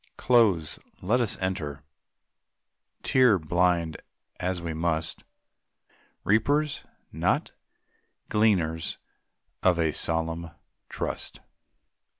Close, let us enter, tear blind as we must; Reapers, not gleaners of a solemn trust.